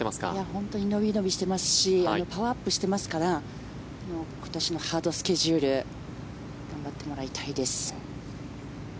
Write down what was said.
本当にのびのびしてますしパワーアップしていますから今年のハードスケジュール頑張ってもらいたいです。